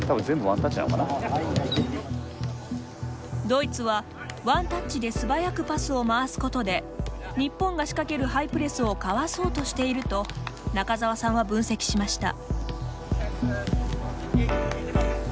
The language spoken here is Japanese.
ドイツはワンタッチで素早くパスを回すことで日本が仕掛けるハイプレスをかわそうとしていると中澤さんは分析しました。